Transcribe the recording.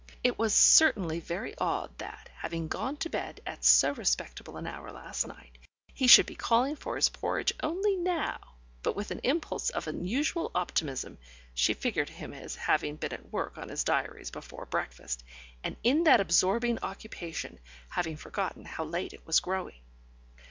It was certainly very odd that, having gone to bed at so respectable an hour last night, he should be calling for his porridge only now, but with an impulse of unusual optimism, she figured him as having been at work on his diaries before breakfast, and in that absorbing occupation having forgotten how late it was growing.